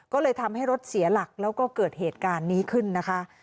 ก็เลยทำให้รถเสียหลักแล้วก็เกิดเหตุการณ์นี้ขึ้นนะคะ